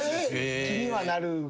気にはなるか。